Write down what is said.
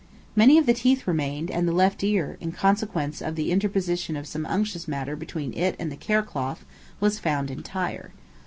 Many of the teeth remained, and the left ear, in consequence of the interposition of some unctuous matter between it and the cerecloth, was found entire.